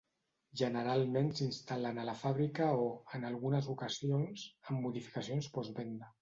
Generalment s'instal·len a la fàbrica o, en algunes ocasions, en modificacions postvenda.